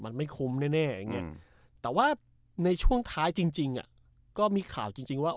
มันไม่คุ้มแน่อย่างเงี้ยแต่ว่าในช่วงท้ายจริงจริงอ่ะก็มีข่าวจริงว่า